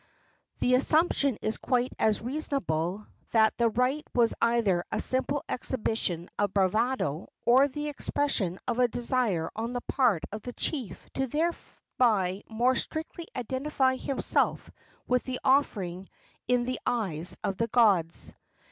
The assumption is quite as reasonable that the rite was either a simple exhibition of bravado, or the expression of a desire on the part of the chief to thereby more strictly identify himself with the offering in the eyes of the gods.